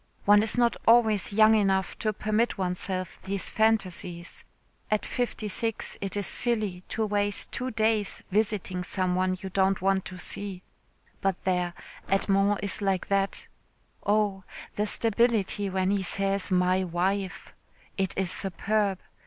One is not always young enough to permit oneself these phantasies. At fifty six it is silly to waste two days visiting some one you don't want to see. But there, Edmond is like that. Oh! the stability when he says 'my wife.' It is superb.